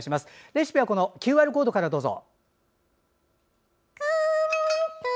レシピはＱＲコードからどうぞ。